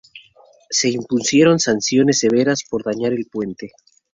Se impusieron sanciones severas por dañar el puente.